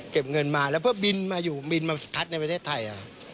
เก็บเงินมาเพื่อบินมาคัดในประเทศไทย